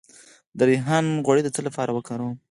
د ریحان غوړي د څه لپاره وکاروم؟